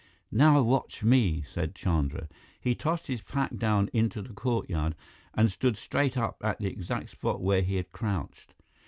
"Now watch me," said Chandra. He tossed his pack down into the courtyard and stood straight up at the exact spot where he had crouched.